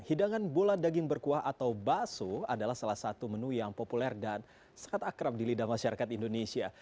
hidangan bola daging berkuah atau bakso adalah salah satu menu yang populer dan sangat akrab di lidah masyarakat indonesia